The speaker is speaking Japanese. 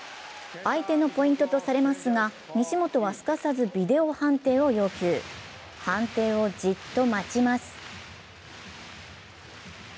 相手のポイントとされますが西本はすかさずビデオ判定を要求、判定をじっと待ちます。